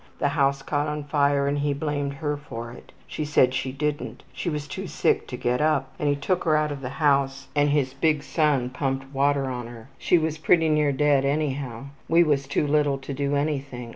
The house caught on fire and he blamed her for it. She said she didn't. She was too sick to get up and he took her out of the house and his big son pumped water on her. She was pretty near dead anyhow. We was too little to do anything.